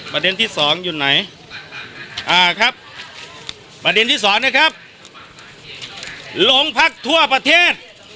ประเด็นที่สองอยู่ไหนอ่าครับประเด็นที่สองนะครับโรงพักทั่วประเทศ